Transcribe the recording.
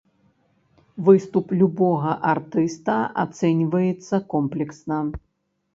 Выступ любога артыста ацэньваецца комплексна.